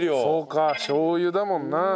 そうかしょう油だもんな。